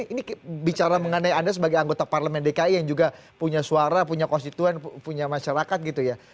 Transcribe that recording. ini bicara mengenai anda sebagai anggota parlemen dki yang juga punya suara punya konstituen punya masyarakat gitu ya